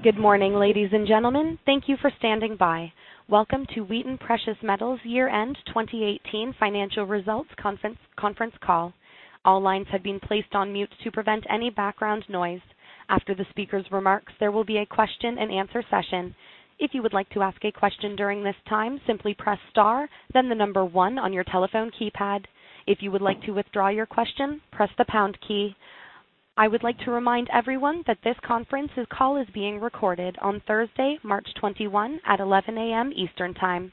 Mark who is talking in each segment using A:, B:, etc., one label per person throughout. A: Good morning, ladies and gentlemen. Thank you for standing by. Welcome to Wheaton Precious Metals Year-End 2018 Financial Results Conference Call. All lines have been placed on mute to prevent any background noise. After the speaker's remarks, there will be a question and answer session. If you would like to ask a question during this time, simply press star 1 on your telephone keypad. If you would like to withdraw your question, press the pound key. I would like to remind everyone that this conference call is being recorded on Thursday, March 21, at 11:00 A.M. Eastern Time.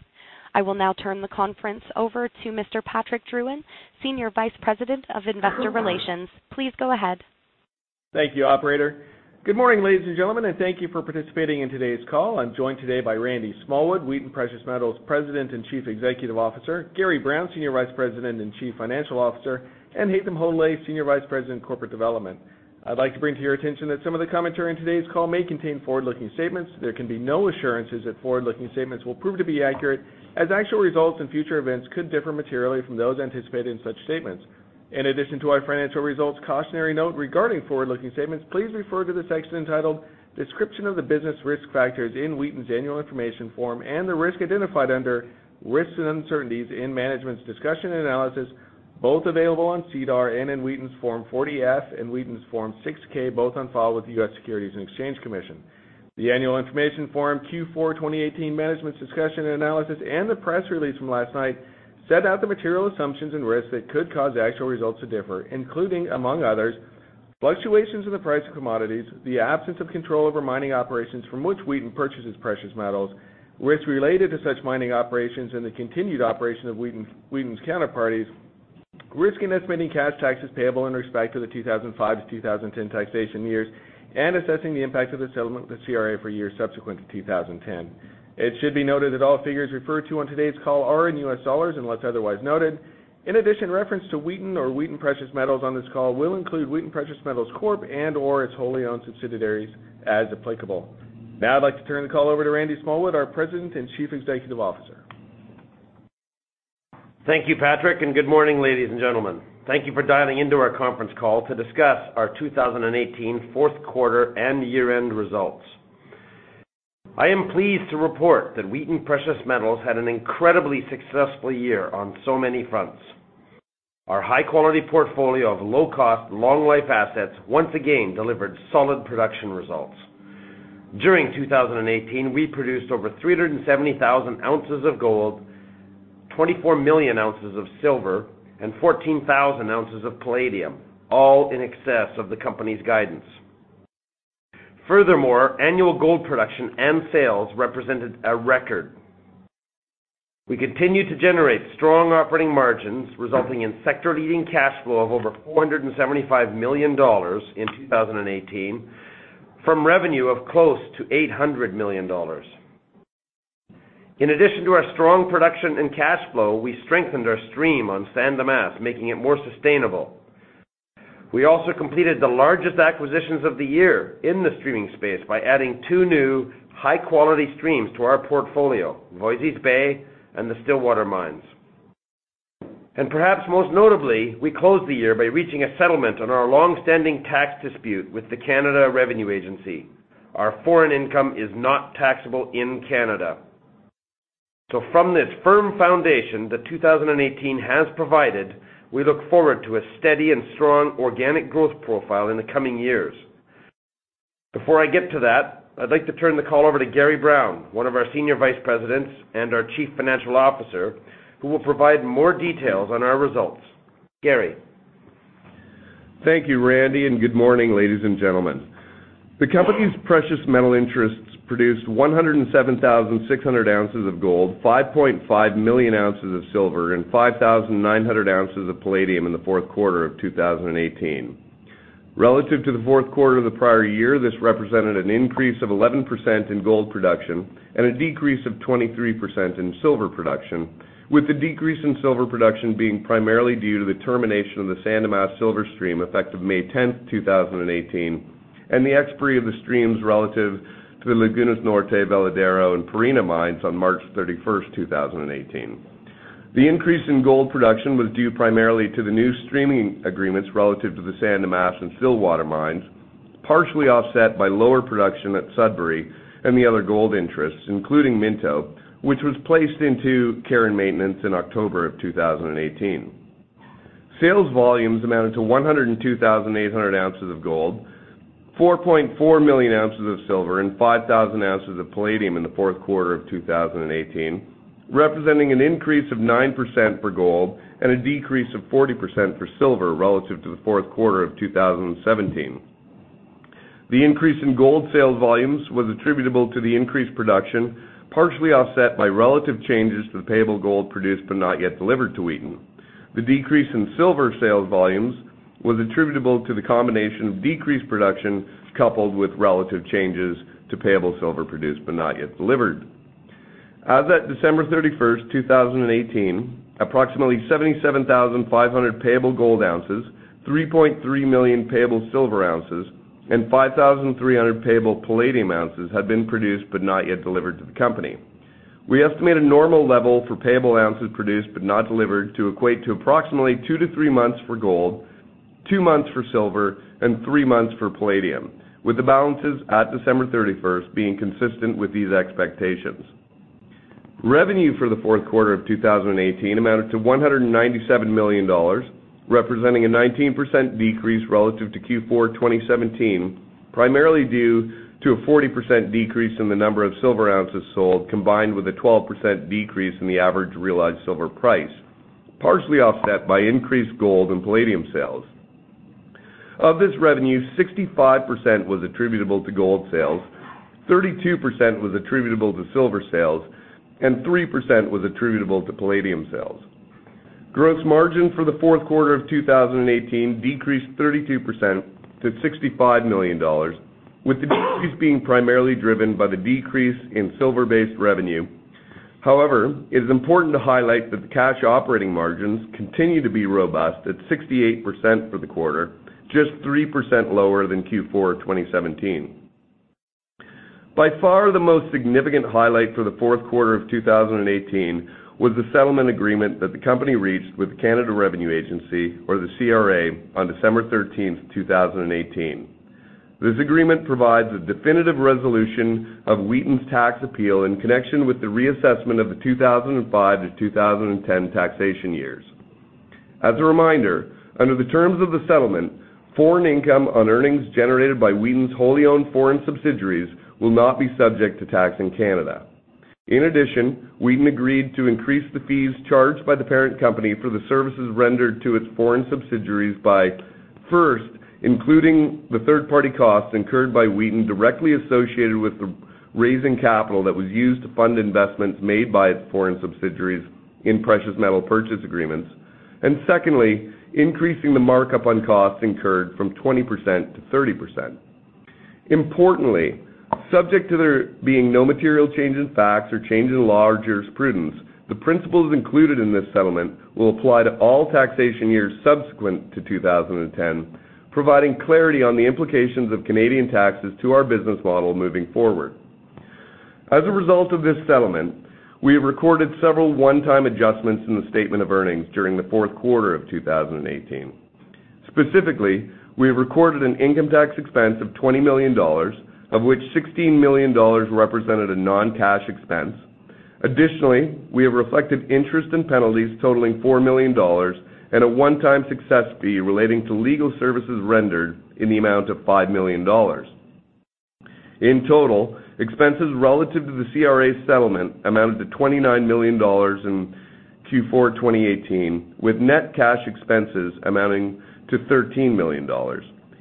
A: I will now turn the conference over to Mr. Patrick Drouin, Senior Vice President of Investor Relations. Please go ahead.
B: Thank you, operator. Good morning, ladies and gentlemen, thank you for participating in today's call. I'm joined today by Randy Smallwood, Wheaton Precious Metals President and Chief Executive Officer, Gary Brown, Senior Vice President and Chief Financial Officer, and Haytham Hodaly, Senior Vice President Corporate Development. I'd like to bring to your attention that some of the commentary in today's call may contain forward-looking statements. There can be no assurances that forward-looking statements will prove to be accurate, as actual results and future events could differ materially from those anticipated in such statements. In addition to our financial results cautionary note regarding forward-looking statements, please refer to the section entitled Description of the Business Risk Factors in Wheaton's Annual Information Form and the risk identified under risks and uncertainties in Management's Discussion and Analysis, both available on SEDAR and in Wheaton's Form 40-F and Wheaton's Form 6-K, both on file with the U.S. Securities and Exchange Commission. The annual information form Q4 2018 Management's Discussion and Analysis and the press release from last night set out the material assumptions and risks that could cause actual results to differ, including among others, fluctuations in the price of commodities, the absence of control over mining operations from which Wheaton purchases precious metals, risks related to such mining operations and the continued operation of Wheaton's counterparties, risk in estimating cash taxes payable in respect to the 2005 to 2010 taxation years, and assessing the impact of the settlement with the CRA for years subsequent to 2010. It should be noted that all figures referred to on today's call are in U.S. dollars unless otherwise noted. In addition, reference to Wheaton or Wheaton Precious Metals on this call will include Wheaton Precious Metals Corp. and/or its wholly owned subsidiaries as applicable. Now I'd like to turn the call over to Randy Smallwood, our President and Chief Executive Officer.
C: Thank you, Patrick, and good morning, ladies and gentlemen. Thank you for dialing into our conference call to discuss our 2018 fourth quarter and year-end results. I am pleased to report that Wheaton Precious Metals had an incredibly successful year on so many fronts. Our high-quality portfolio of low-cost, long-life assets once again delivered solid production results. During 2018, we produced over 370,000 ounces of gold, 24 million ounces of silver, and 14,000 ounces of palladium, all in excess of the company's guidance. Furthermore, annual gold production and sales represented a record. We continued to generate strong operating margins, resulting in sector-leading cash flow of over $475 million in 2018 from revenue of close to $800 million. In addition to our strong production and cash flow, we strengthened our stream on San Dimas, making it more sustainable. We also completed the largest acquisitions of the year in the streaming space by adding two new high-quality streams to our portfolio, Voisey's Bay and the Stillwater Mines. Perhaps most notably, we closed the year by reaching a settlement on our longstanding tax dispute with the Canada Revenue Agency. Our foreign income is not taxable in Canada. From this firm foundation that 2018 has provided, we look forward to a steady and strong organic growth profile in the coming years. Before I get to that, I'd like to turn the call over to Gary Brown, one of our Senior Vice Presidents and our Chief Financial Officer, who will provide more details on our results. Gary?
D: Thank you, Randy, and good morning, ladies and gentlemen. The company's precious metal interests produced 107,600 ounces of gold, 5.5 million ounces of silver, and 5,900 ounces of palladium in the fourth quarter of 2018. Relative to the fourth quarter of the prior year, this represented an increase of 11% in gold production and a decrease of 23% in silver production, with the decrease in silver production being primarily due to the termination of the San Dimas silver stream effective May 10th, 2018, and the expiry of the streams relative to the Lagunas Norte, Veladero, and Pierina mines on March 31st, 2018. The increase in gold production was due primarily to the new streaming agreements relative to the San Dimas and Stillwater mines, partially offset by lower production at Sudbury and the other gold interests, including Minto, which was placed into care and maintenance in October of 2018. Sales volumes amounted to 102,800 ounces of gold, 4.4 million ounces of silver, and 5,000 ounces of palladium in the fourth quarter of 2018, representing an increase of 9% for gold and a decrease of 40% for silver relative to the fourth quarter of 2017. The increase in gold sales volumes was attributable to the increased production, partially offset by relative changes to the payable gold produced but not yet delivered to Wheaton. The decrease in silver sales volumes was attributable to the combination of decreased production coupled with relative changes to payable silver produced but not yet delivered. As at December 31st, 2018, approximately 77,500 payable gold ounces, 3.3 million payable silver ounces, and 5,300 payable palladium ounces had been produced but not yet delivered to the company. We estimate a normal level for payable ounces produced but not delivered to equate to approximately 2-3 months for gold, 2 months for silver, and 3 months for palladium, with the balances at December 31st being consistent with these expectations. Revenue for the fourth quarter of 2018 amounted to $197 million, representing a 19% decrease relative to Q4 2017, primarily due to a 40% decrease in the number of silver ounces sold, combined with a 12% decrease in the average realized silver price, partially offset by increased gold and palladium sales. Of this revenue, 65% was attributable to gold sales, 32% was attributable to silver sales, and 3% was attributable to palladium sales. Gross margin for the fourth quarter of 2018 decreased 32% to $65 million, with the decrease being primarily driven by the decrease in silver-based revenue. However, it is important to highlight that the cash operating margins continue to be robust at 68% for the quarter, just 3% lower than Q4 2017. By far, the most significant highlight for the fourth quarter of 2018 was the settlement agreement that the company reached with the Canada Revenue Agency, or the CRA, on December 13th, 2018. This agreement provides a definitive resolution of Wheaton's tax appeal in connection with the reassessment of the 2005-2010 taxation years. As a reminder, under the terms of the settlement, foreign income on earnings generated by Wheaton's wholly owned foreign subsidiaries will not be subject to tax in Canada. Wheaton agreed to increase the fees charged by the parent company for the services rendered to its foreign subsidiaries by, first, including the third-party costs incurred by Wheaton directly associated with the raising capital that was used to fund investments made by its foreign subsidiaries in precious metal purchase agreements. Secondly, increasing the markup on costs incurred from 20% to 30%. Importantly, subject to there being no material change in facts or change in the law or jurisprudence, the principles included in this settlement will apply to all taxation years subsequent to 2010, providing clarity on the implications of Canadian taxes to our business model moving forward. As a result of this settlement, we have recorded several one-time adjustments in the statement of earnings during the fourth quarter of 2018. Specifically, we have recorded an income tax expense of $20 million, of which $16 million represented a non-cash expense. Additionally, we have reflected interest and penalties totaling $4 million and a one-time success fee relating to legal services rendered in the amount of $5 million. In total, expenses relative to the CRA settlement amounted to $29 million in Q4 2018, with net cash expenses amounting to $13 million,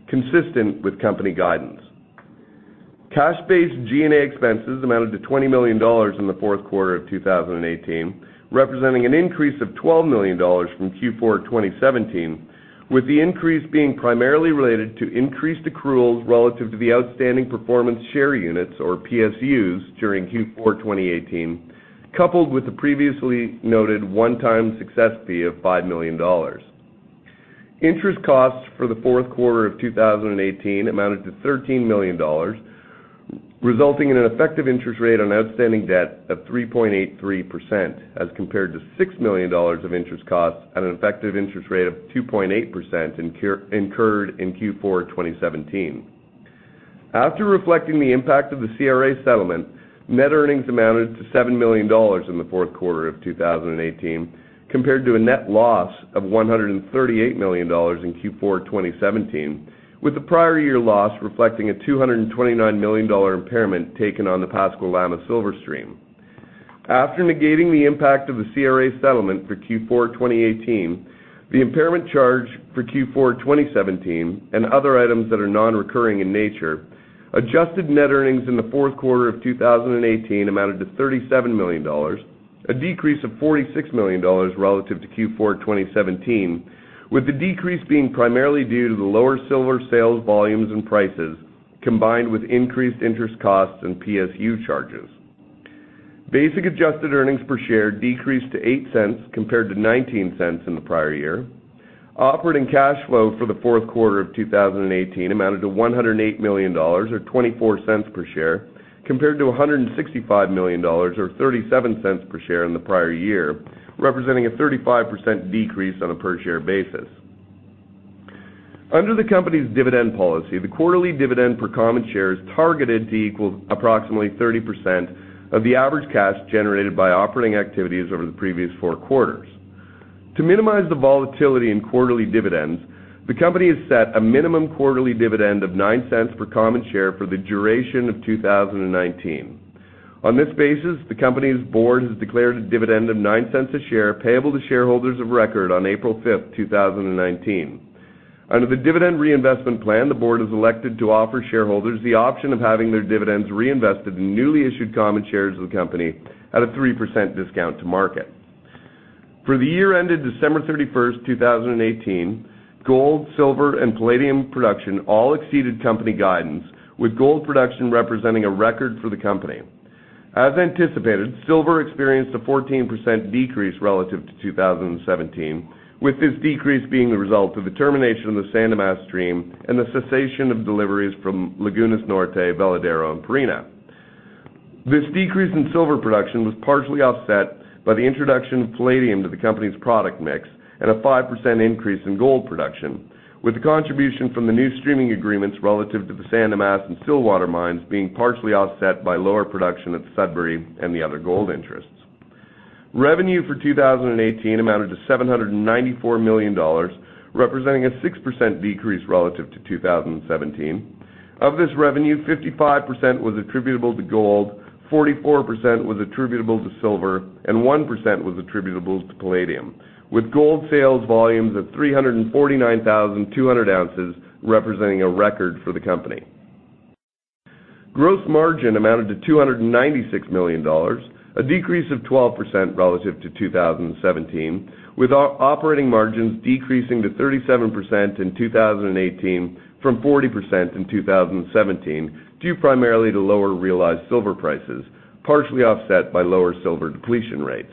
D: consistent with company guidance. Cash-based G&A expenses amounted to $20 million in the fourth quarter of 2018, representing an increase of $12 million from Q4 2017, with the increase being primarily related to increased accruals relative to the outstanding performance share units, or PSUs, during Q4 2018, coupled with the previously noted one-time success fee of $5 million. Interest costs for the fourth quarter of 2018 amounted to $13 million, resulting in an effective interest rate on outstanding debt of 3.83%, as compared to $6 million of interest costs at an effective interest rate of 2.8% incurred in Q4 2017. After reflecting the impact of the CRA settlement, net earnings amounted to $7 million in the fourth quarter of 2018, compared to a net loss of $138 million in Q4 2017, with the prior year loss reflecting a $229 million impairment taken on the Pascua-Lama Silver Stream. After negating the impact of the CRA settlement for Q4 2018, the impairment charge for Q4 2017, and other items that are non-recurring in nature, adjusted net earnings in the fourth quarter of 2018 amounted to $37 million, a decrease of $46 million relative to Q4 2017, with the decrease being primarily due to the lower silver sales volumes and prices, combined with increased interest costs and PSU charges. Basic adjusted earnings per share decreased to $0.08 compared to $0.19 in the prior year. Operating cash flow for the fourth quarter of 2018 amounted to $108 million, or $0.24 per share, compared to $165 million or $0.37 per share in the prior year, representing a 35% decrease on a per share basis. Under the company's dividend policy, the quarterly dividend per common share is targeted to equal approximately 30% of the average cash generated by operating activities over the previous four quarters. To minimize the volatility in quarterly dividends, the company has set a minimum quarterly dividend of $0.09 per common share for the duration of 2019. On this basis, the company's board has declared a dividend of $0.09 a share payable to shareholders of record on April 5th, 2019. Under the dividend reinvestment plan, the board has elected to offer shareholders the option of having their dividends reinvested in newly issued common shares of the company at a 3% discount to market. For the year ended December 31st, 2018, gold, silver, and palladium production all exceeded company guidance, with gold production representing a record for the company. As anticipated, silver experienced a 14% decrease relative to 2017, with this decrease being the result of the termination of the San Dimas stream and the cessation of deliveries from Lagunas Norte, Veladero, and Pierina. This decrease in silver production was partially offset by the introduction of palladium to the company's product mix and a 5% increase in gold production, with the contribution from the new streaming agreements relative to the San Dimas and Stillwater mines being partially offset by lower production at Sudbury and the other gold interests. Revenue for 2018 amounted to $794 million, representing a 6% decrease relative to 2017. Of this revenue, 55% was attributable to gold, 44% was attributable to silver, and 1% was attributable to palladium, with gold sales volumes of 349,200 ounces, representing a record for the company. Gross margin amounted to $296 million, a decrease of 12% relative to 2017, with our operating margins decreasing to 37% in 2018 from 40% in 2017, due primarily to lower realized silver prices, partially offset by lower silver depletion rates.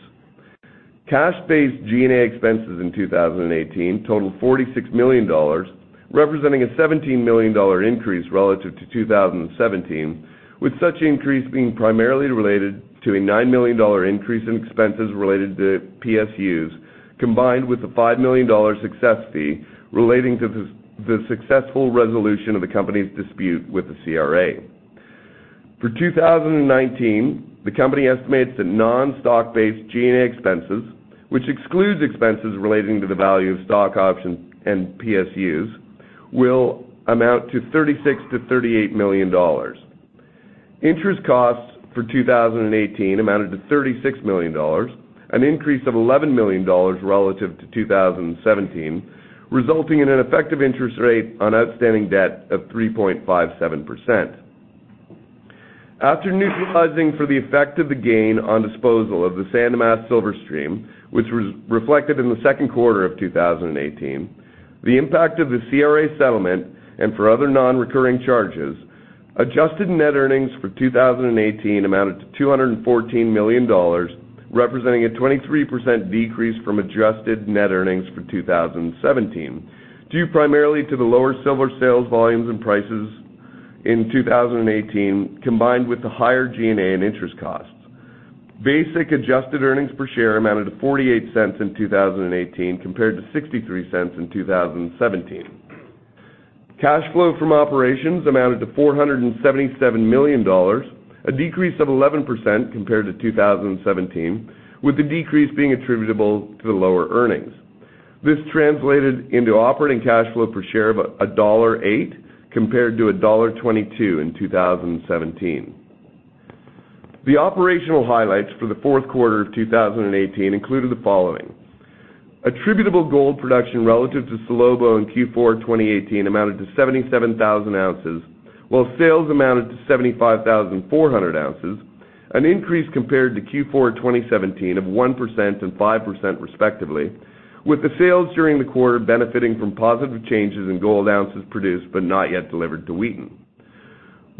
D: Cash-based G&A expenses in 2018 totaled $46 million, representing a $17 million increase relative to 2017, with such increase being primarily related to a $9 million increase in expenses related to PSUs, combined with a $5 million success fee relating to the successful resolution of the company's dispute with the CRA. For 2019, the company estimates that non-stock-based G&A expenses, which excludes expenses relating to the value of stock options and PSUs, will amount to $36 to $38 million. Interest costs for 2018 amounted to $36 million, an increase of $11 million relative to 2017, resulting in an effective interest rate on outstanding debt of 3.57%. After neutralizing for the effect of the gain on disposal of the San Dimas Silver Stream, which was reflected in the second quarter of 2018, the impact of the CRA settlement, and for other non-recurring charges, adjusted net earnings for 2018 amounted to $214 million, representing a 23% decrease from adjusted net earnings for 2017, due primarily to the lower silver sales volumes and prices in 2018, combined with the higher G&A and interest costs. Basic adjusted earnings per share amounted to $0.48 in 2018 compared to $0.63 in 2017. Cash flow from operations amounted to $477 million, a decrease of 11% compared to 2017, with the decrease being attributable to the lower earnings. This translated into operating cash flow per share of $1.08, compared to $1.22 in 2017. The operational highlights for the fourth quarter of 2018 included the following. Attributable gold production relative to Salobo in Q4 2018 amounted to 77,000 ounces, while sales amounted to 75,400 ounces, an increase compared to Q4 2017 of 1% and 5% respectively, with the sales during the quarter benefiting from positive changes in gold ounces produced but not yet delivered to Wheaton.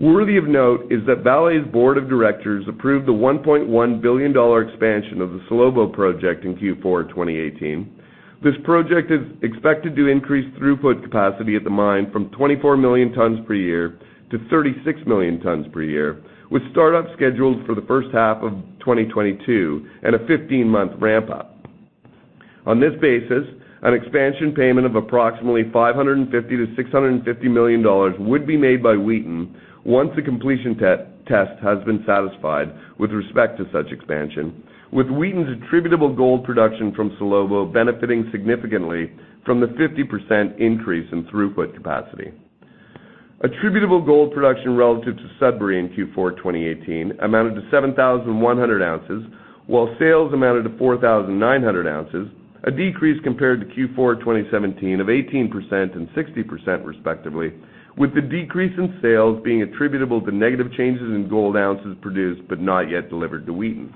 D: Worthy of note is that Vale's board of directors approved the $1.1 billion expansion of the Salobo project in Q4 2018. This project is expected to increase throughput capacity at the mine from 24 million tons per year to 36 million tons per year, with startup scheduled for the first half of 2022 and a 15-month ramp-up. On this basis, an expansion payment of approximately $550 million-$650 million would be made by Wheaton once the completion test has been satisfied with respect to such expansion, with Wheaton's attributable gold production from Salobo benefiting significantly from the 50% increase in throughput capacity. Attributable gold production relative to Sudbury in Q4 2018 amounted to 7,100 ounces, while sales amounted to 4,900 ounces, a decrease compared to Q4 2017 of 18% and 60% respectively, with the decrease in sales being attributable to negative changes in gold ounces produced but not yet delivered to Wheaton.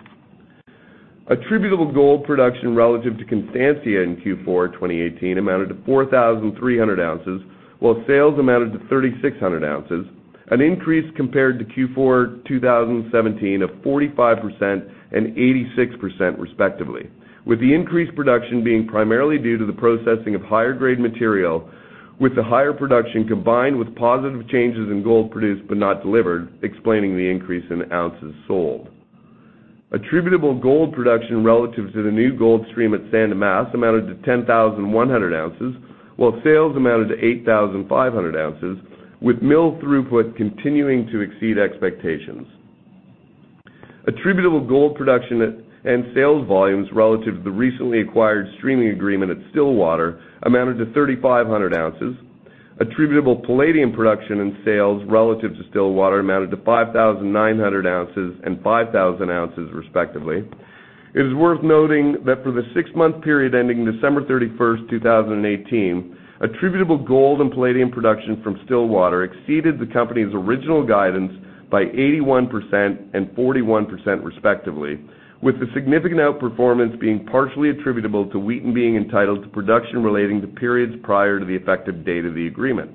D: Attributable gold production relative to Constancia in Q4 2018 amounted to 4,300 ounces, while sales amounted to 3,600 ounces, an increase compared to Q4 2017 of 45% and 86% respectively, with the increased production being primarily due to the processing of higher grade material, with the higher production combined with positive changes in gold produced but not delivered, explaining the increase in ounces sold. Attributable gold production relative to the new gold stream at San Dimas amounted to 10,100 ounces, while sales amounted to 8,500 ounces, with mill throughput continuing to exceed expectations. Attributable gold production and sales volumes relative to the recently acquired streaming agreement at Stillwater amounted to 3,500 ounces. Attributable palladium production and sales relative to Stillwater amounted to 5,900 ounces and 5,000 ounces respectively. It is worth noting that for the six-month period ending December 31st, 2018, attributable gold and palladium production from Stillwater exceeded the company's original guidance by 81% and 41% respectively, with the significant outperformance being partially attributable to Wheaton being entitled to production relating to periods prior to the effective date of the agreement.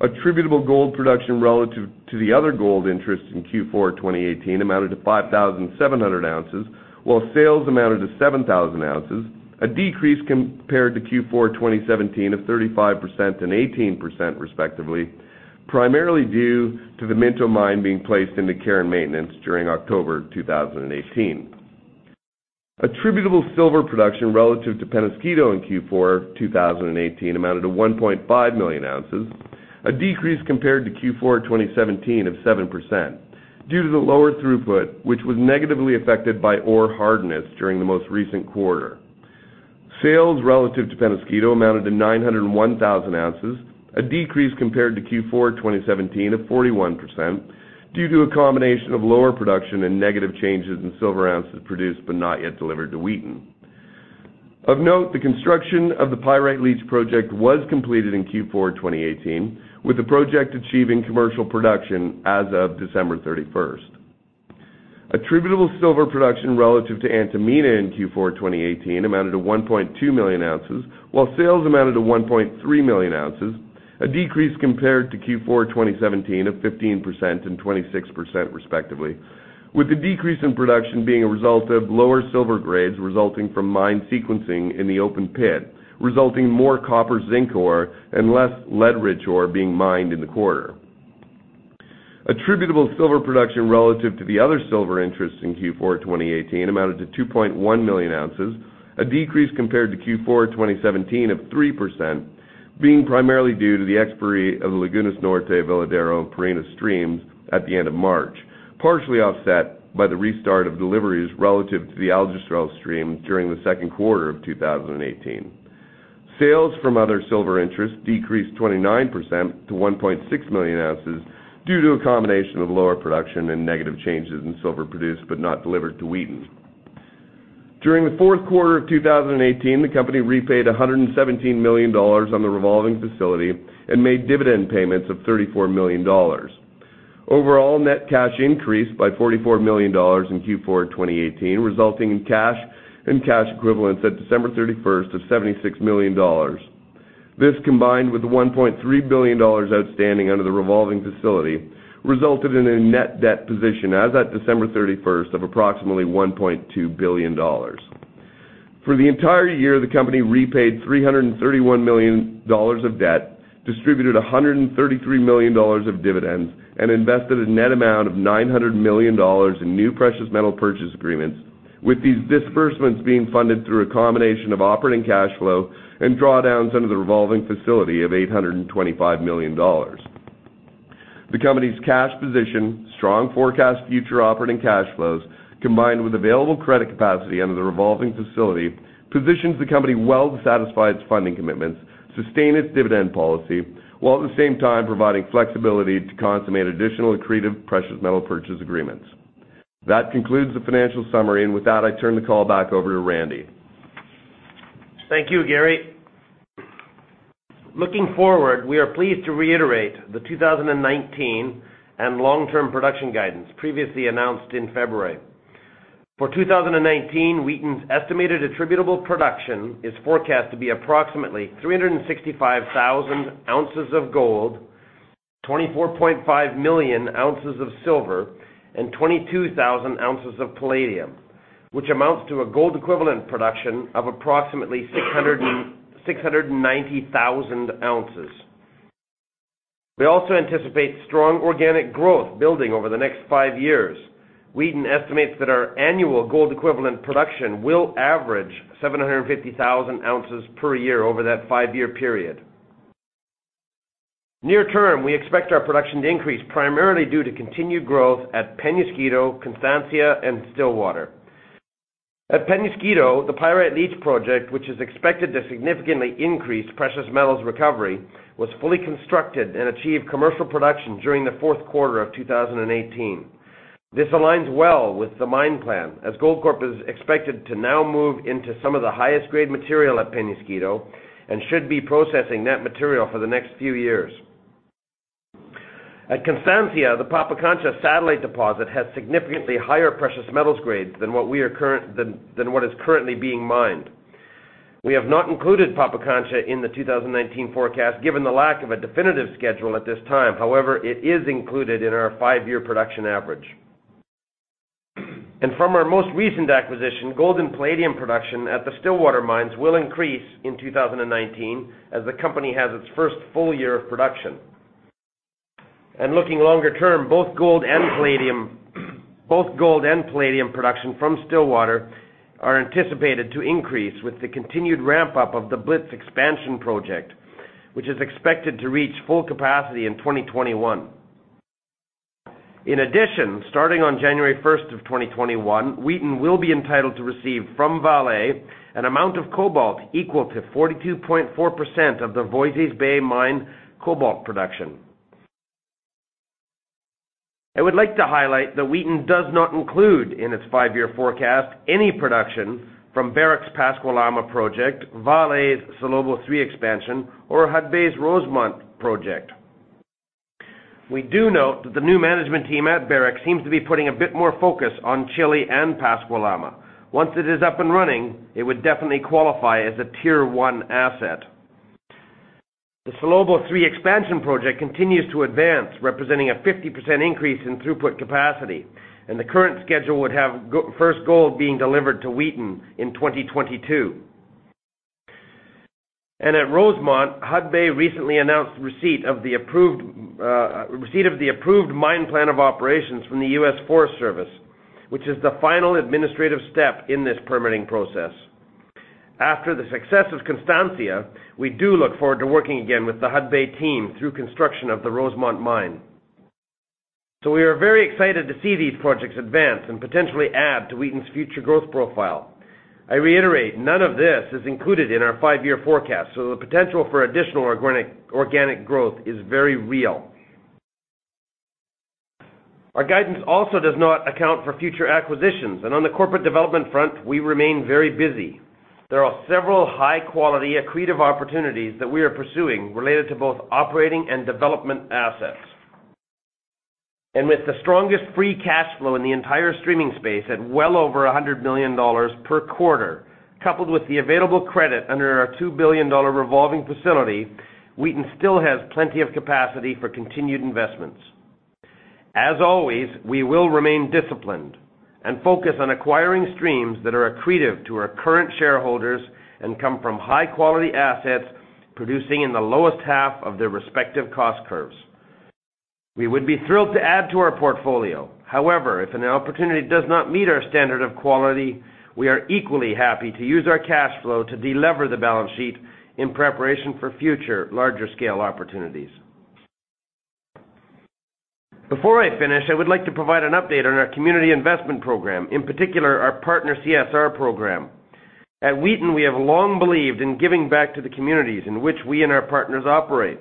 D: Attributable gold production relative to the other gold interests in Q4 2018 amounted to 5,700 ounces, while sales amounted to 7,000 ounces, a decrease compared to Q4 2017 of 35% and 18% respectively, primarily due to the Minto Mine being placed into care and maintenance during October 2018. Attributable silver production relative to Peñasquito in Q4 2018 amounted to 1.5 million ounces, a decrease compared to Q4 2017 of 7%, due to the lower throughput, which was negatively affected by ore hardness during the most recent quarter. Sales relative to Peñasquito amounted to 901,000 ounces, a decrease compared to Q4 2017 of 41%, due to a combination of lower production and negative changes in silver ounces produced but not yet delivered to Wheaton. Of note, the construction of the Pyrite Leach project was completed in Q4 2018, with the project achieving commercial production as of December 31st. Attributable silver production relative to Antamina in Q4 2018 amounted to 1.2 million ounces, while sales amounted to 1.3 million ounces, a decrease compared to Q4 2017 of 15% and 26% respectively, with the decrease in production being a result of lower silver grades resulting from mine sequencing in the open pit, resulting in more copper zinc ore and less lead rich ore being mined in the quarter. Attributable silver production relative to the other silver interests in Q4 2018 amounted to 2.1 million ounces, a decrease compared to Q4 2017 of 3%, being primarily due to the expiry of the Lagunas Norte, Veladero, and Pierina streams at the end of March, partially offset by the restart of deliveries relative to the Aljustrel stream during the second quarter of 2018. Sales from other silver interests decreased 29% to 1.6 million ounces due to a combination of lower production and negative changes in silver produced but not delivered to Wheaton. During the fourth quarter of 2018, the company repaid $117 million on the revolving facility and made dividend payments of $34 million. Overall, net cash increased by $44 million in Q4 2018, resulting in cash and cash equivalents at December 31st of $76 million. This, combined with the $1.3 billion outstanding under the revolving facility, resulted in a net debt position as at December 31st of approximately $1.2 billion. For the entire year, the company repaid $331 million of debt, distributed $133 million of dividends, and invested a net amount of $900 million in new precious metal purchase agreements, with these disbursements being funded through a combination of operating cash flow and drawdowns under the revolving facility of $825 million. The company's cash position, strong forecast future operating cash flows, combined with available credit capacity under the revolving facility, positions the company well to satisfy its funding commitments, sustain its dividend policy, while at the same time providing flexibility to consummate additional accretive precious metal purchase agreements. That concludes the financial summary. With that, I turn the call back over to Randy.
C: Thank you, Gary. Looking forward, we are pleased to reiterate the 2019 and long-term production guidance previously announced in February. For 2019, Wheaton's estimated attributable production is forecast to be approximately 365,000 ounces of gold, 24.5 million ounces of silver, and 22,000 ounces of palladium, which amounts to a gold equivalent production of approximately 690,000 ounces. We also anticipate strong organic growth building over the next five years. Wheaton estimates that our annual gold equivalent production will average 750,000 ounces per year over that five-year period. Near term, we expect our production to increase primarily due to continued growth at Peñasquito, Constancia, and Stillwater. At Peñasquito, the Pyrite Leach project, which is expected to significantly increase precious metals recovery, was fully constructed and achieved commercial production during the fourth quarter of 2018. This aligns well with the mine plan, as Goldcorp is expected to now move into some of the highest grade material at Peñasquito and should be processing that material for the next few years. At Constancia, the Pampacancha satellite deposit has significantly higher precious metals grades than what is currently being mined. We have not included Pampacancha in the 2019 forecast, given the lack of a definitive schedule at this time. However, it is included in our five-year production average. From our most recent acquisition, gold and palladium production at the Stillwater mines will increase in 2019 as the company has its first full year of production. Looking longer term, both gold and palladium production from Stillwater are anticipated to increase with the continued ramp-up of the Blitz expansion project, which is expected to reach full capacity in 2021. In addition, starting on January 1, 2021, Wheaton will be entitled to receive from Vale an amount of cobalt equal to 42.4% of the Voisey's Bay mine cobalt production. I would like to highlight that Wheaton does not include in its five-year forecast any production from Barrick's Pascua-Lama project, Vale's Salobo 3 expansion, or Hudbay's Rosemont project. We do note that the new management team at Barrick seems to be putting a bit more focus on Chile and Pascua-Lama. Once it is up and running, it would definitely qualify as a tier 1 asset. The Salobo 3 expansion project continues to advance, representing a 50% increase in throughput capacity. The current schedule would have first gold being delivered to Wheaton in 2022. At Rosemont, Hudbay recently announced receipt of the approved mine plan of operations from the U.S. Forest Service, which is the final administrative step in this permitting process. After the success of Constancia, we do look forward to working again with the Hudbay team through construction of the Rosemont Mine. We are very excited to see these projects advance and potentially add to Wheaton's future growth profile. I reiterate, none of this is included in our five-year forecast, so the potential for additional organic growth is very real. Our guidance also does not account for future acquisitions, and on the corporate development front, we remain very busy. There are several high-quality, accretive opportunities that we are pursuing related to both operating and development assets. With the strongest free cash flow in the entire streaming space at well over $100 million per quarter, coupled with the available credit under our $2 billion revolving facility, Wheaton still has plenty of capacity for continued investments. As always, we will remain disciplined and focus on acquiring streams that are accretive to our current shareholders and come from high-quality assets producing in the lowest half of their respective cost curves. We would be thrilled to add to our portfolio. However, if an opportunity does not meet our standard of quality, we are equally happy to use our cash flow to delever the balance sheet in preparation for future larger-scale opportunities. Before I finish, I would like to provide an update on our community investment program, in particular, our partner CSR program. At Wheaton, we have long believed in giving back to the communities in which we and our partners operate.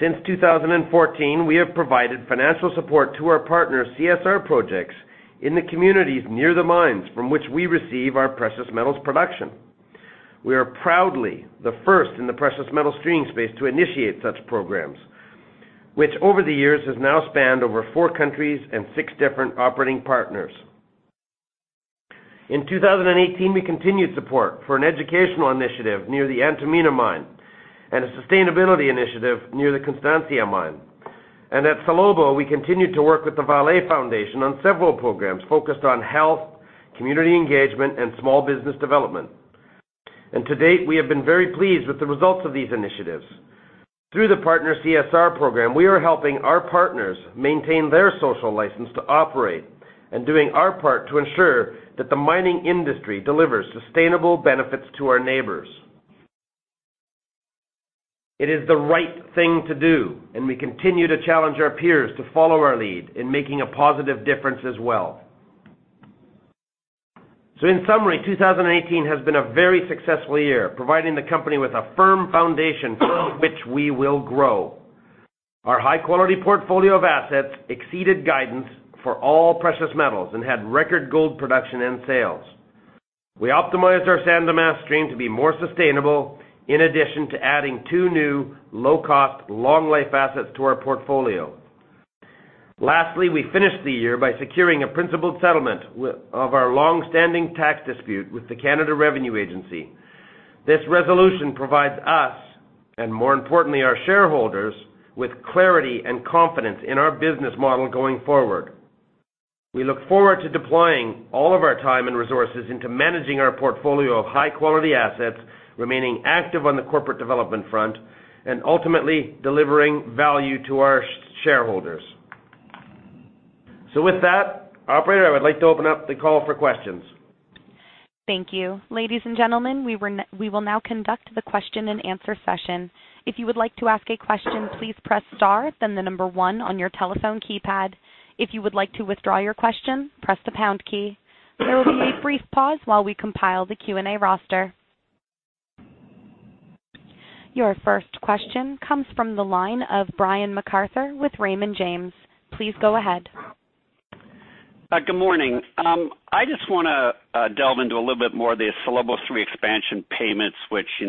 C: Since 2014, we have provided financial support to our partner CSR projects in the communities near the mines from which we receive our precious metals production. We are proudly the first in the precious metal streaming space to initiate such programs, which over the years has now spanned over four countries and six different operating partners. In 2018, we continued support for an educational initiative near the Antamina mine and a sustainability initiative near the Constancia mine. At Salobo, we continued to work with the Vale Foundation on several programs focused on health, community engagement, and small business development. To date, we have been very pleased with the results of these initiatives. Through the partner CSR program, we are helping our partners maintain their social license to operate and doing our part to ensure that the mining industry delivers sustainable benefits to our neighbors. It is the right thing to do, and we continue to challenge our peers to follow our lead in making a positive difference as well. In summary, 2018 has been a very successful year, providing the company with a firm foundation from which we will grow. Our high-quality portfolio of assets exceeded guidance for all precious metals and had record gold production and sales. We optimized our San Dimas stream to be more sustainable, in addition to adding two new low-cost, long-life assets to our portfolio. Lastly, we finished the year by securing a principled settlement of our long-standing tax dispute with the Canada Revenue Agency. This resolution provides us, and more importantly our shareholders, with clarity and confidence in our business model going forward. We look forward to deploying all of our time and resources into managing our portfolio of high-quality assets, remaining active on the corporate development front, and ultimately delivering value to our shareholders. With that, operator, I would like to open up the call for questions.
A: Thank you. Ladies and gentlemen, we will now conduct the question and answer session. If you would like to ask a question, please press star, then the number 1 on your telephone keypad. If you would like to withdraw your question, press the pound key. There will be a brief pause while we compile the Q&A roster. Your first question comes from the line of Brian MacArthur with Raymond James. Please go ahead.
E: Good morning. I just want to delve into a little bit more of the Salobo 3 expansion payments, which you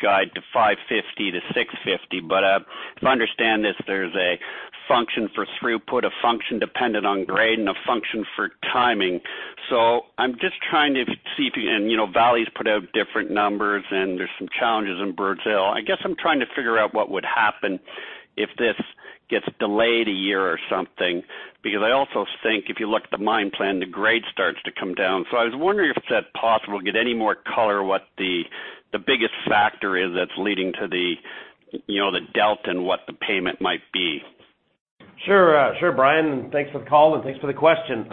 E: guide to $550 million-$650 million. If I understand this, there's a function for throughput, a function dependent on grade, and a function for timing. I'm just trying to see. Vale's put out different numbers, and there's some challenges in Brumadinho. I guess I'm trying to figure out what would happen if this gets delayed a year or something, because I also think if you look at the mine plan, the grade starts to come down. I was wondering if that's possible, get any more color what the biggest factor is that's leading to the doubt in what the payment might be.
C: Sure, Brian, thanks for the call and thanks for the question.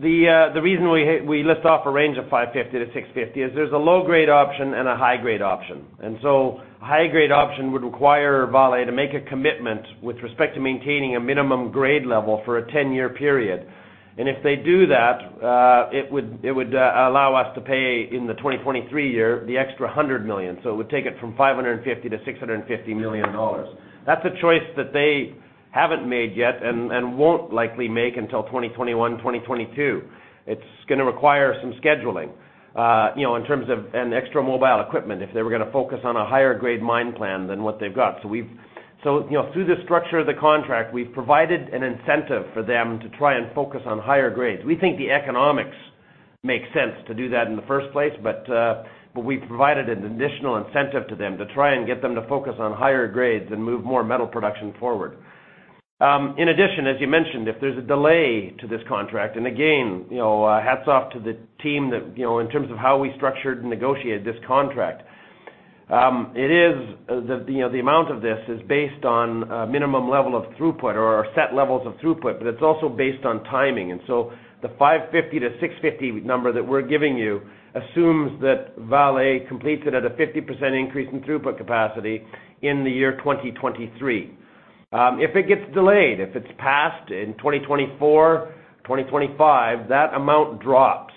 C: The reason we list off a range of $550 million-$650 million is there's a low-grade option and a high-grade option. A high-grade option would require Vale to make a commitment with respect to maintaining a minimum grade level for a 10-year period. If they do that, it would allow us to pay in the 2023 year the extra $100 million. It would take it from $550 to $650 million. That's a choice that they haven't made yet and won't likely make until 2021, 2022. It's going to require some scheduling, in terms of an extra mobile equipment, if they were going to focus on a higher grade mine plan than what they've got. Through the structure of the contract, we've provided an incentive for them to try and focus on higher grades. We think the economics make sense to do that in the first place. We've provided an additional incentive to them to try and get them to focus on higher grades and move more metal production forward. In addition, as you mentioned, if there's a delay to this contract, again, hats off to the team in terms of how we structured and negotiated this contract. The amount of this is based on a minimum level of throughput or set levels of throughput. It's also based on timing. The $550 million-$650 million number that we're giving you assumes that Vale completes it at a 50% increase in throughput capacity in the year 2023. If it gets delayed, if it's passed in 2024, 2025, that amount drops.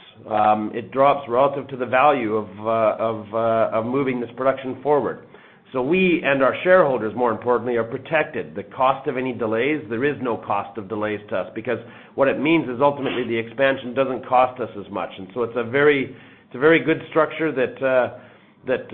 C: It drops relative to the value of moving this production forward. We, and our shareholders more importantly, are protected. The cost of any delays, there is no cost of delays to us, because what it means is ultimately the expansion doesn't cost us as much. It's a very good structure that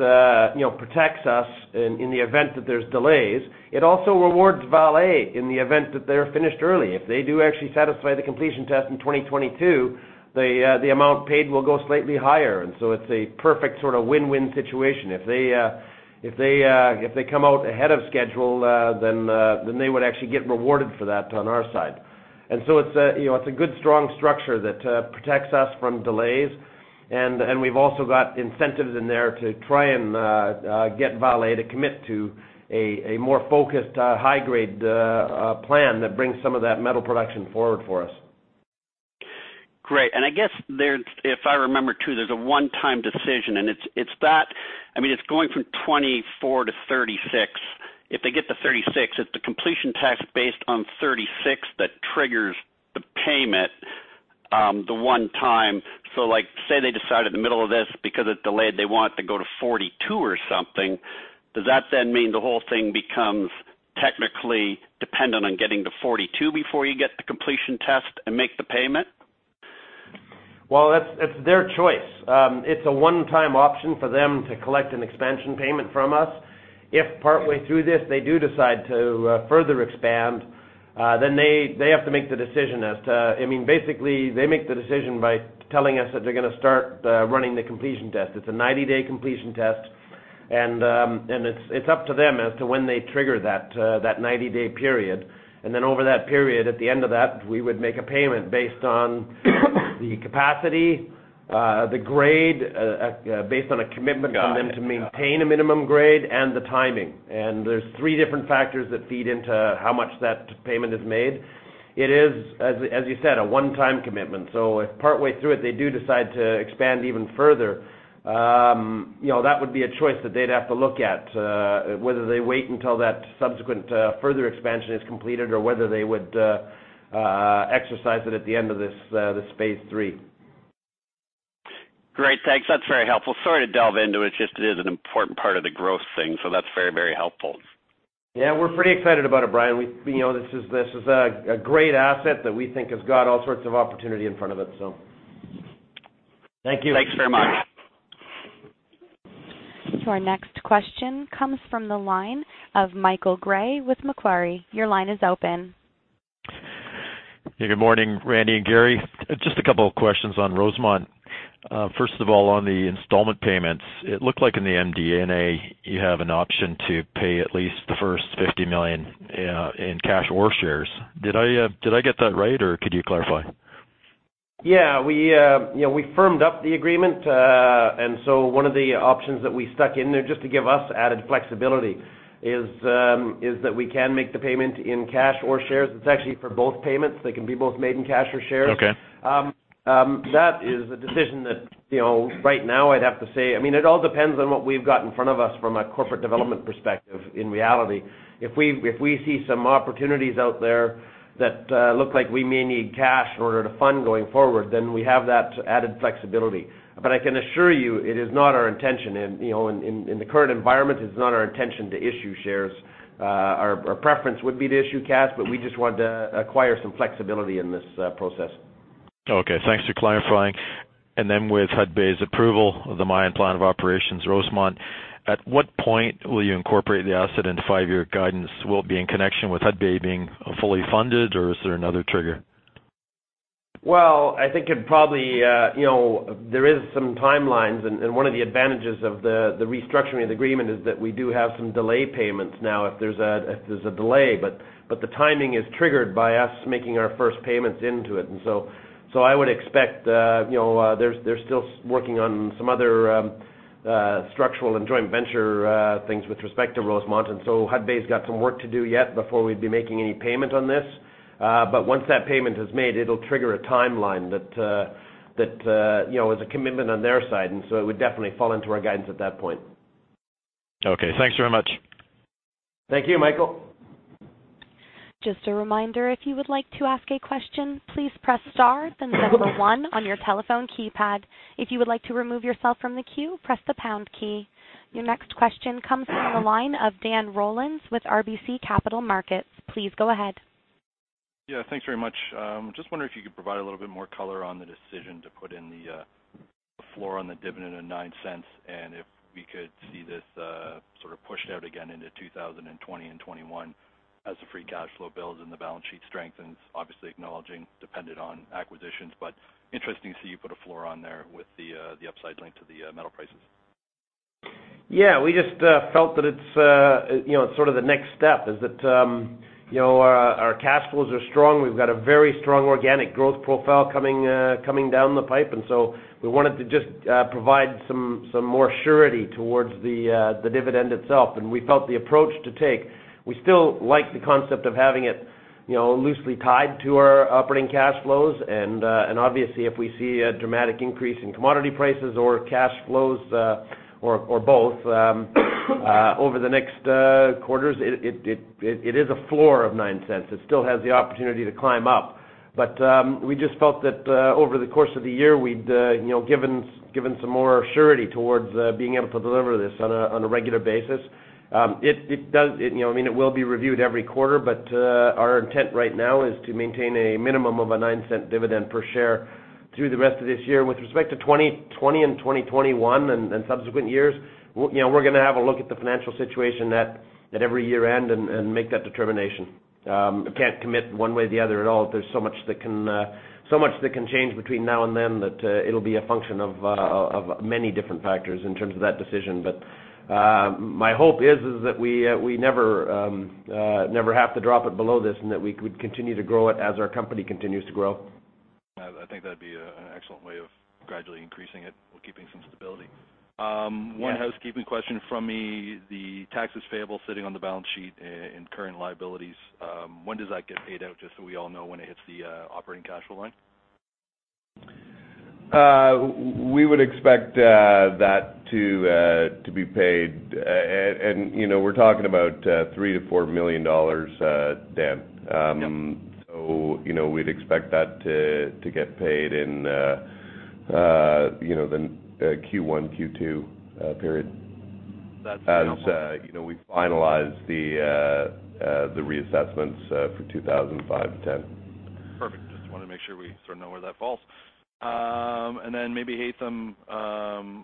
C: protects us in the event that there's delays. It also rewards Vale in the event that they're finished early. If they do actually satisfy the completion test in 2022, the amount paid will go slightly higher, and so it's a perfect sort of win-win situation. If they come out ahead of schedule, they would actually get rewarded for that on our side. It's a good, strong structure that protects us from delays, and we've also got incentives in there to try and get Vale to commit to a more focused high-grade plan that brings some of that metal production forward for us.
E: Great. I guess if I remember too, there's a one-time decision, it's going from 24 to 36. If they get to 36, it's the completion test based on 36 that triggers the payment the one time. Say they decide in the middle of this because it delayed, they want to go to 42 or something, does that mean the whole thing becomes technically dependent on getting to 42 before you get the completion test and make the payment?
C: Well, it's their choice. It's a one-time option for them to collect an expansion payment from us. If partway through this, they do decide to further expand, they have to make the decision as to. Basically, they make the decision by telling us that they're going to start running the completion test. It's a 90-day completion test, it's up to them as to when they trigger that 90-day period. Over that period, at the end of that, we would make a payment based on the capacity, the grade, based on a commitment from them to maintain a minimum grade, and the timing. There's three different factors that feed into how much that payment is made. It is, as you said, a one-time commitment. If partway through it, they do decide to expand even further, that would be a choice that they'd have to look at, whether they wait until that subsequent further expansion is completed or whether they would exercise it at the end of this phase three.
E: Great. Thanks. That's very helpful. Sorry to delve into it. It just is an important part of the growth thing. That's very helpful.
C: Yeah, we're pretty excited about it, Brian. This is a great asset that we think has got all sorts of opportunity in front of it.
E: Thank you.
C: Thanks very much.
A: Your next question comes from the line of Michael Gray with Macquarie. Your line is open.
F: Good morning, Randy and Gary. Just a couple of questions on Rosemont. First of all, on the installment payments, it looked like in the MD&A, you have an option to pay at least the first $50 million in cash or shares. Did I get that right, or could you clarify?
C: Yeah. We firmed up the agreement, one of the options that we stuck in there just to give us added flexibility is that we can make the payment in cash or shares. It's actually for both payments. They can be both made in cash or shares.
F: Okay.
C: That is a decision that right now I'd have to say, it all depends on what we've got in front of us from a corporate development perspective, in reality. If we see some opportunities out there that look like we may need cash in order to fund going forward, then we have that added flexibility. I can assure you, it is not our intention in the current environment, it's not our intention to issue shares. Our preference would be to issue cash, but we just wanted to acquire some flexibility in this process.
F: Okay. Thanks for clarifying. With Hudbay's approval of the mine plan of operations, Rosemont, at what point will you incorporate the asset into five-year guidance? Will it be in connection with Hudbay being fully funded, or is there another trigger?
C: I think there is some timelines, and one of the advantages of the restructuring of the agreement is that we do have some delay payments now if there's a delay, but the timing is triggered by us making our first payments into it. I would expect they're still working on some other structural and joint venture things with respect to Rosemont, and Hudbay's got some work to do yet before we'd be making any payment on this. Once that payment is made, it'll trigger a timeline that is a commitment on their side, and it would definitely fall into our guidance at that point.
F: Okay, thanks very much.
C: Thank you, Michael.
A: Just a reminder, if you would like to ask a question, please press star, then number one on your telephone keypad. If you would like to remove yourself from the queue, press the pound key. Your next question comes from the line of Dan Rollins with RBC Capital Markets. Please go ahead.
G: Thanks very much. Just wondering if you could provide a little bit more color on the decision to put in the floor on the dividend of $0.09, if we could see this sort of pushed out again into 2020 and 2021 as the free cash flow builds and the balance sheet strengthens, obviously acknowledging dependent on acquisitions. Interesting to see you put a floor on there with the upside link to the metal prices.
C: Yeah, we just felt that it's sort of the next step, is that our cash flows are strong. We've got a very strong organic growth profile coming down the pipe, and so we wanted to just provide some more surety towards the dividend itself. We felt the approach to take. We still like the concept of having it loosely tied to our operating cash flows. Obviously, if we see a dramatic increase in commodity prices or cash flows, or both, over the next quarters, it is a floor of $0.09. It still has the opportunity to climb up. We just felt that, over the course of the year, we'd given some more surety towards being able to deliver this on a regular basis. It will be reviewed every quarter, but our intent right now is to maintain a minimum of a $0.09 dividend per share through the rest of this year. With respect to 2020 and 2021 and subsequent years, we're going to have a look at the financial situation at every year-end and make that determination. I can't commit one way or the other at all. There's so much that can change between now and then that it'll be a function of many different factors in terms of that decision. My hope is that we never have to drop it below this and that we could continue to grow it as our company continues to grow.
G: I think that'd be an excellent way of gradually increasing it while keeping some stability.
H: Yeah.
G: One housekeeping question from me. The taxes payable sitting on the balance sheet in current liabilities, when does that get paid out, just so we all know when it hits the operating cash flow line?
D: We would expect that to be paid we're talking about $3 million-$4 million, Dan.
G: Yep.
D: We'd expect that to get paid in the Q1, Q2 period.
G: That's helpful.
D: As we finalize the reassessments for 2005 to 2010.
G: Perfect. Just wanted to make sure we sort of know where that falls. Then maybe Haytham,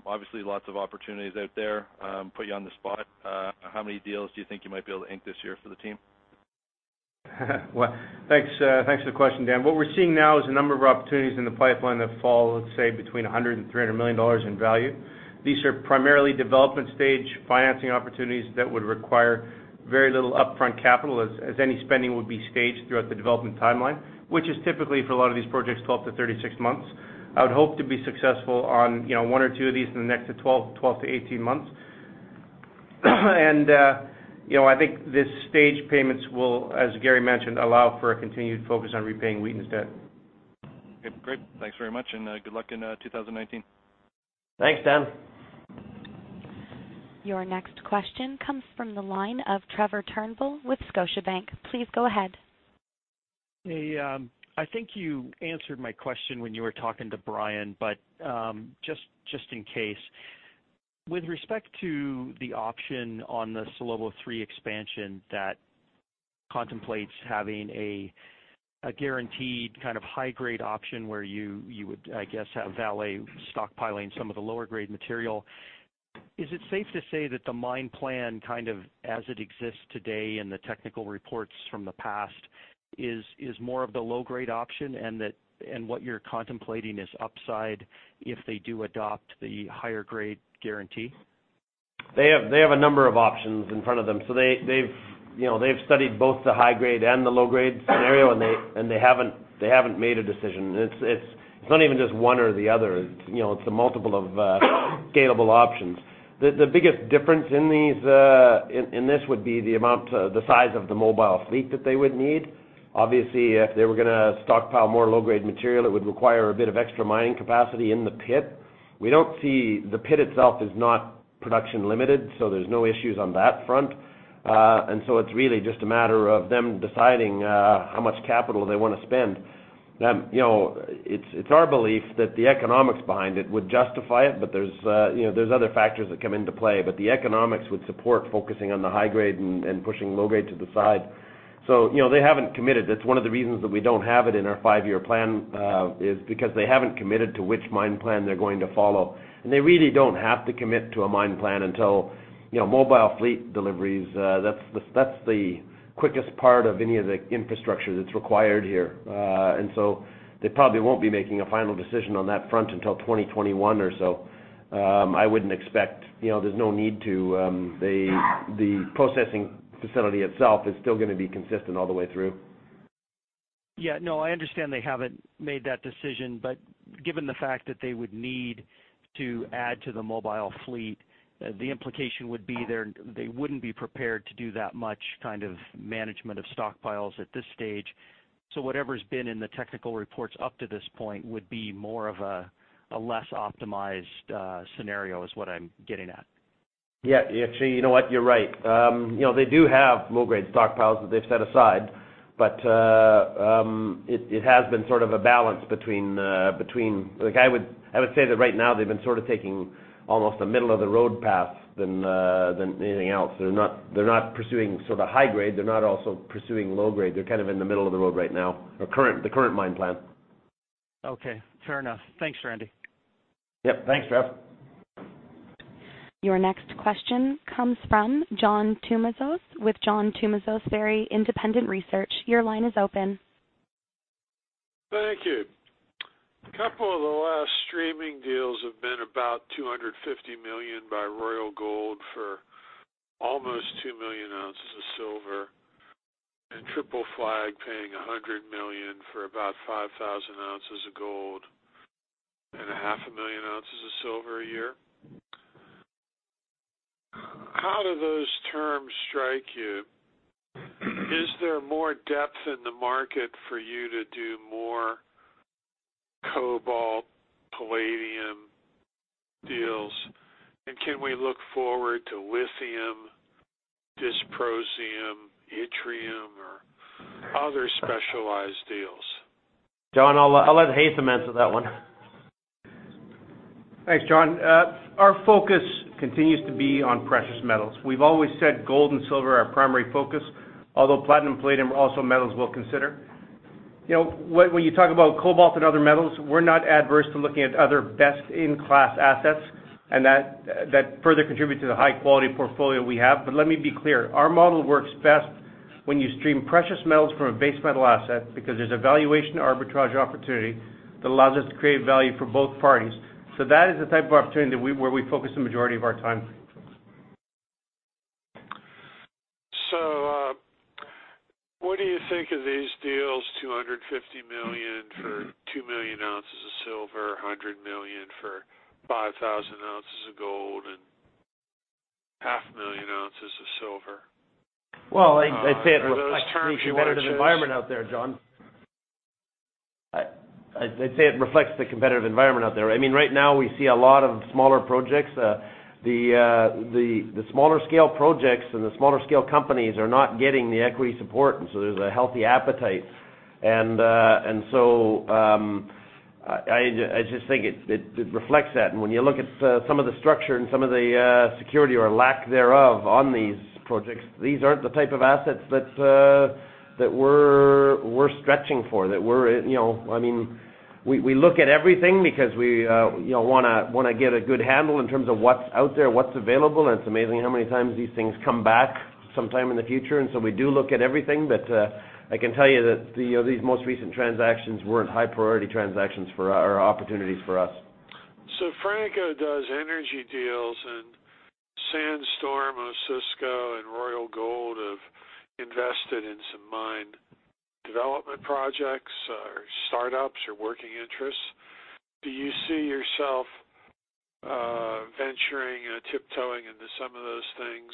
G: obviously lots of opportunities out there. Put you on the spot. How many deals do you think you might be able to ink this year for the team?
H: Well, thanks for the question, Dan. What we're seeing now is a number of opportunities in the pipeline that fall, let's say, between $100 million-$300 million in value. These are primarily development stage financing opportunities that would require very little upfront capital, as any spending would be staged throughout the development timeline, which is typically, for a lot of these projects, 12 to 36 months. I would hope to be successful on one or two of these in the next 12 to 18 months. I think the stage payments will, as Gary mentioned, allow for a continued focus on repaying Wheaton's debt. Okay, great. Thanks very much. Good luck in 2019. Thanks, Dan.
A: Your next question comes from the line of Trevor Turnbull with Scotiabank. Please go ahead.
I: Hey. I think you answered my question when you were talking to Brian. Just in case, with respect to the option on the Salobo 3 expansion that contemplates having a guaranteed kind of high-grade option where you would, I guess, have Vale stockpiling some of the lower grade material, is it safe to say that the mine plan kind of as it exists today and the technical reports from the past is more of the low-grade option, what you're contemplating is upside if they do adopt the higher grade guarantee?
C: They have a number of options in front of them. They've studied both the high-grade and the low-grade scenario, they haven't made a decision. It's not even just one or the other. It's a multiple of scalable options. The biggest difference in this would be the size of the mobile fleet that they would need. Obviously, if they were going to stockpile more low-grade material, it would require a bit of extra mining capacity in the pit. The pit itself is not production limited, there's no issues on that front. It's really just a matter of them deciding how much capital they want to spend. It's our belief that the economics behind it would justify it, there's other factors that come into play. The economics would support focusing on the high grade and pushing low grade to the side. They haven't committed. That's one of the reasons that we don't have it in our five-year plan, is because they haven't committed to which mine plan they're going to follow. They really don't have to commit to a mine plan until mobile fleet deliveries. That's the quickest part of any of the infrastructure that's required here. They probably won't be making a final decision on that front until 2021 or so. I wouldn't expect. There's no need to. The processing facility itself is still going to be consistent all the way through.
I: Yeah. No, I understand they haven't made that decision. Given the fact that they would need to add to the mobile fleet, the implication would be they wouldn't be prepared to do that much kind of management of stockpiles at this stage. Whatever's been in the technical reports up to this point would be more of a less optimized scenario is what I'm getting at.
C: Yeah. Actually, you know what? You're right. They do have low-grade stockpiles that they've set aside, but it has been sort of a balance between I would say that right now they've been sort of taking almost a middle-of-the-road path than anything else. They're not pursuing sort of high grade. They're not also pursuing low grade. They're kind of in the middle of the road right now, the current mine plan.
I: Okay, fair enough. Thanks, Randy.
C: Yep. Thanks, Trevor.
A: Your next question comes from John Tumazos with John Tumazos Very Independent Research. Your line is open.
J: Thank you. A couple of the last streaming deals have been about $250 million by Royal Gold for almost two million ounces of silver. Triple Flag paying $100 million for about 5,000 ounces of gold and a half a million ounces of silver a year. How do those terms strike you? Are there more depths in the market for you to do more cobalt, palladium deals? Can we look forward to lithium, dysprosium, yttrium, or other specialized deals?
C: John, I'll let Haytham answer that one.
H: Thanks, John. Our focus continues to be on precious metals. We've always said gold and silver are our primary focus, although platinum and palladium are also metals we'll consider. When you talk about cobalt and other metals, we're not adverse to looking at other best-in-class assets, and that further contribute to the high-quality portfolio we have. Let me be clear, our model works best when you stream precious metals from a base metal asset because there's a valuation arbitrage opportunity that allows us to create value for both parties. That is the type of opportunity where we focus the majority of our time.
J: What do you think of these deals, $250 million for 2 million ounces of silver, $100 million for 5,000 ounces of gold, and half a million ounces of silver?
C: Well, I'd say it reflects the competitive environment out there, John. Right now, we see a lot of smaller projects. The smaller scale projects and the smaller scale companies are not getting the equity support, there's a healthy appetite. I just think it reflects that. When you look at some of the structure and some of the security or lack thereof on these projects, these aren't the type of assets that we're stretching for. We look at everything because we want to get a good handle in terms of what's out there, what's available, and it's amazing how many times these things come back sometime in the future. We do look at everything, but I can tell you that these most recent transactions weren't high priority transactions or opportunities for us.
J: Franco-Nevada does energy deals, Sandstorm, Osisko, and Royal Gold have invested in some mine development projects or startups or working interests. Do you see yourself venturing and tiptoeing into some of those things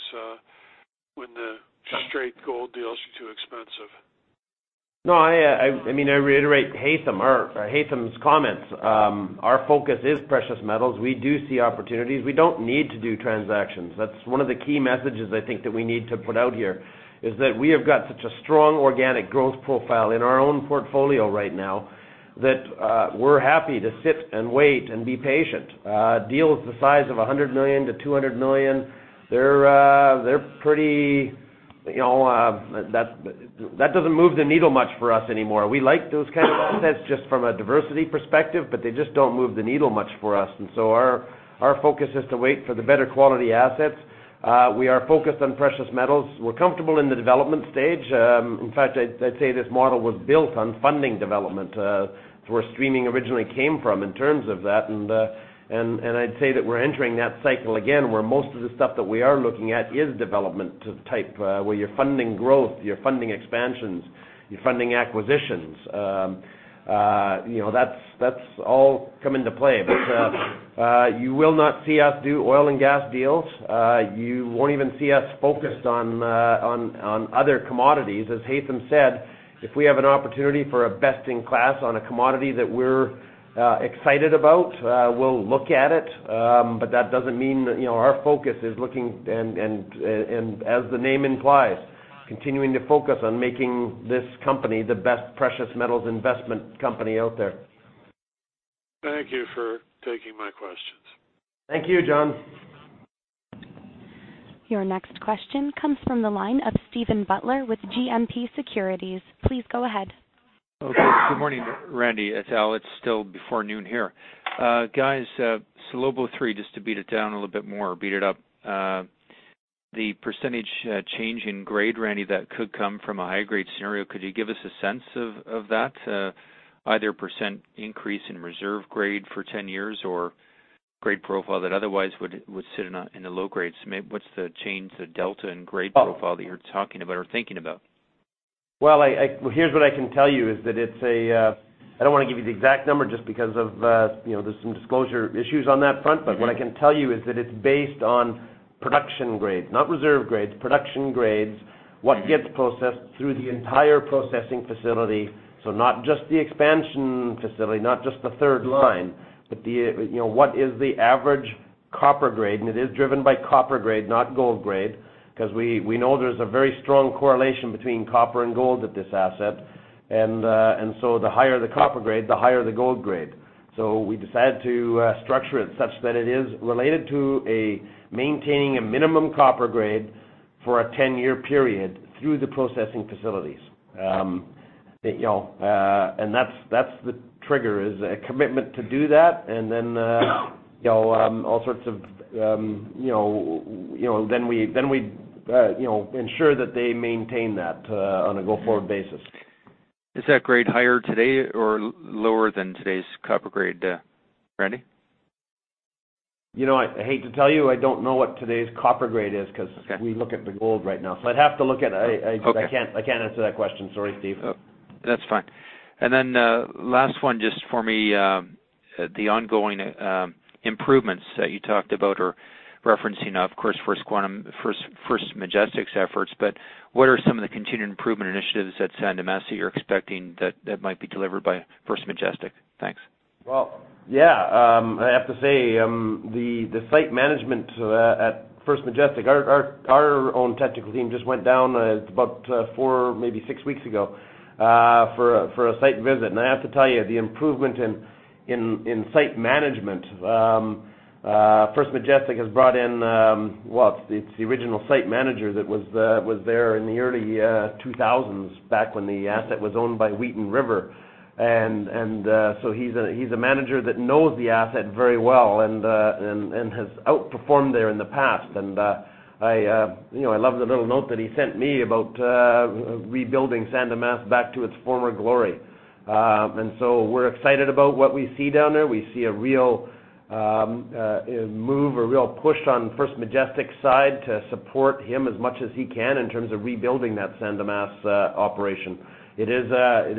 J: when the straight gold deals are too expensive?
C: No, I reiterate Haytham's comments. Our focus is precious metals. We do see opportunities. We don't need to do transactions. That's one of the key messages I think that we need to put out here, is that we have got such a strong organic growth profile in our own portfolio right now that we're happy to sit and wait and be patient. Deals the size of $100 million-$200 million, that doesn't move the needle much for us anymore. We like those kind of assets just from a diversity perspective, but they just don't move the needle much for us. Our focus is to wait for the better quality assets. We are focused on precious metals. We're comfortable in the development stage. In fact, I'd say this model was built on funding development. It's where streaming originally came from in terms of that. I'd say that we're entering that cycle again, where most of the stuff that we are looking at is development type where you're funding growth, you're funding expansions, you're funding acquisitions. That's all come into play. You will not see us do oil and gas deals. You won't even see us focused on other commodities. As Haytham said, if we have an opportunity for a best-in-class on a commodity that we're excited about, we'll look at it, but that doesn't mean our focus is looking, and as the name implies, continuing to focus on making this company the best precious metals investment company out there.
J: Thank you for taking my questions.
C: Thank you, John.
A: Your next question comes from the line of Steven Butler with GMP Securities. Please go ahead.
K: Okay. Good morning, Randy, et al. It's still before noon here. Guys, Salobo 3, just to beat it down a little bit more or beat it up. The % change in grade, Randy, that could come from a high-grade scenario, could you give us a sense of that? Either % increase in reserve grade for 10 years or grade profile that otherwise would sit in the low grades. What's the change, the delta in grade profile that you're talking about or thinking about?
C: Well, here's what I can tell you is that it's a I don't want to give you the exact number just because of there's some disclosure issues on that front. What I can tell you is that it's based on production grades, not reserve grades, production grades, what gets processed through the entire processing facility. Not just the expansion facility, not just the third line, but what is the average copper grade, and it is driven by copper grade, not gold grade, because we know there's a very strong correlation between copper and gold at this asset. The higher the copper grade, the higher the gold grade. We decided to structure it such that it is related to maintaining a minimum copper grade for a 10-year period through the processing facilities. That's the trigger, is a commitment to do that, and then we ensure that they maintain that on a go-forward basis.
K: Is that grade higher today or lower than today's copper grade, Randy?
C: I hate to tell you, I don't know what today's copper grade is because we look at the gold right now. I'd have to look at it.
K: Okay.
C: I can't answer that question. Sorry, Steve.
K: That's fine. Then last one, just for me, the ongoing improvements that you talked about or referencing, of course, First Majestic's efforts, what are some of the continued improvement initiatives at San Dimas that you're expecting that might be delivered by First Majestic? Thanks.
C: Well, yeah. I have to say, the site management at First Majestic, our own technical team just went down about four, maybe six weeks ago, for a site visit. I have to tell you, the improvement in site management, First Majestic has brought in, well, it's the original site manager that was there in the early 2000s, back when the asset was owned by Wheaton River. He's a manager that knows the asset very well and has outperformed there in the past. I loved the little note that he sent me about rebuilding San Dimas back to its former glory. We're excited about what we see down there. We see a real move, a real push on First Majestic's side to support him as much as he can in terms of rebuilding that San Dimas operation. It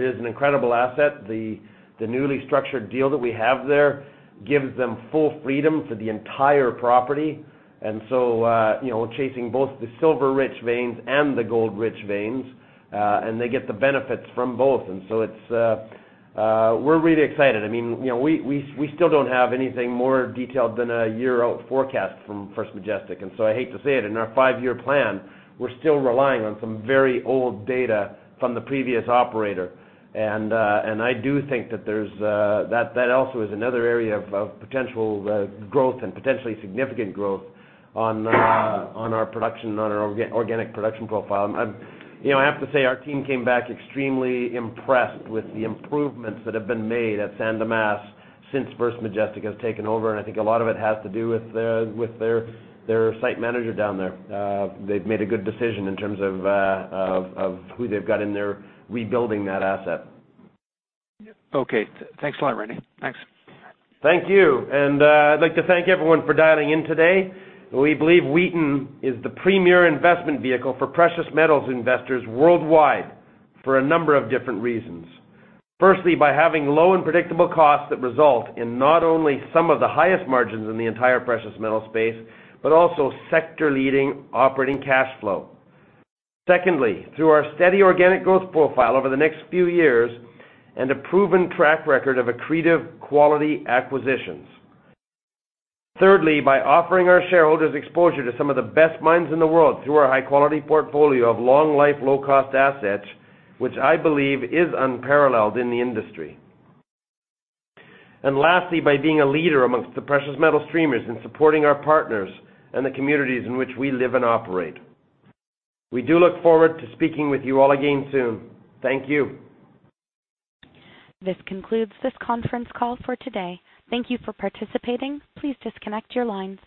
C: is an incredible asset. The newly structured deal that we have there gives them full freedom for the entire property. Chasing both the silver-rich veins and the gold-rich veins, and they get the benefits from both. We're really excited. We still don't have anything more detailed than a year-out forecast from First Majestic. I hate to say it, in our five-year plan, we're still relying on some very old data from the previous operator. I do think that also is another area of potential growth and potentially significant growth on our production, on our organic production profile. I have to say, our team came back extremely impressed with the improvements that have been made at San Dimas since First Majestic has taken over, and I think a lot of it has to do with their site manager down there. They've made a good decision in terms of who they've got in there rebuilding that asset.
K: Okay. Thanks a lot, Randy. Thanks.
C: Thank you. I'd like to thank everyone for dialing in today. We believe Wheaton is the premier investment vehicle for precious metal investors worldwide for a number of different reasons. Firstly, by having low and predictable costs that result in not only some of the highest margins in the entire precious metal space, but also sector-leading operating cash flow. Secondly, through our steady organic growth profile over the next few years and a proven track record of accretive quality acquisitions. Thirdly, by offering our shareholders exposure to some of the best mines in the world through our high-quality portfolio of long-life, low-cost assets, which I believe is unparalleled in the industry. Lastly, by being a leader amongst the precious metal streamers in supporting our partners and the communities in which we live and operate. We do look forward to speaking with you all again soon. Thank you.
A: This concludes this conference call for today. Thank you for participating. Please disconnect your lines.